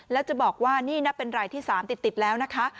แล้วจะบอกว่านี่นับเป็นรายที่๓ติดแล้วนะคะ